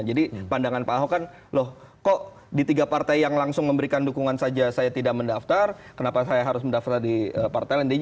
jadi pandangan pak ahok kan loh kok di tiga partai yang langsung memberikan dukungan saja saya tidak mendaftar kenapa saya harus mendaftar di partai lain